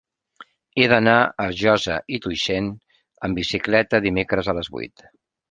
He d'anar a Josa i Tuixén amb bicicleta dimecres a les vuit.